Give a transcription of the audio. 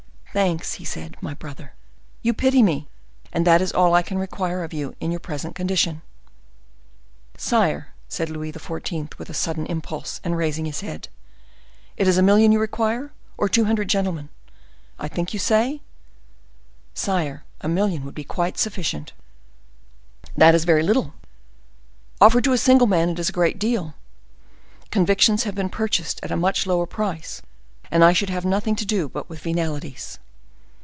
"Thanks!" said he, "my brother. You pity me, and that is all I can require of you in your present situation." "Sire," said Louis XIV., with a sudden impulse, and raising his head, "it is a million you require, or two hundred gentlemen, I think you say?" "Sire, a million would be quite sufficient." "That is very little." "Offered to a single man it is a great deal. Convictions have been purchased at a much lower price; and I should have nothing to do but with venalities."